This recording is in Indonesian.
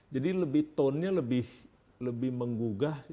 jadi lebih tonenya lebih menggugah